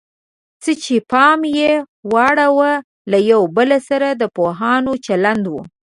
څه چې پام یې واړاوه له یو بل سره د پوهانو چلند و.